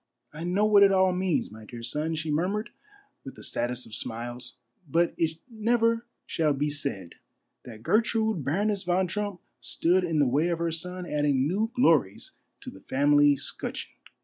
I know what it all means, my dear son," she murmured with the saddest of smiles ;" but it never shall be said that Gertrude Baroness von Trump stood in the way of her son adding new glories to the family 'scutcheon.